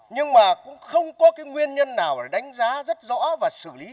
nhưng mà cũng không có cái nguyên nhân nào để đánh giá rất rõ và xử lý